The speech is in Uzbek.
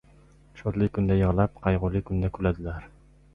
• Shodlik kunda yig‘lab, qayg‘uli kunda kuladilar.